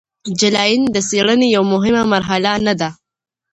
جلاین د څیړنې یوه مهمه مرحله نه ده.